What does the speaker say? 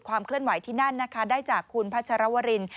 เคลื่อนไหวที่นั่นนะคะได้จากคุณพัชรวริน